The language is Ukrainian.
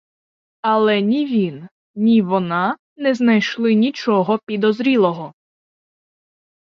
Але ні він, ні вона не знайшли нічого підозрілого.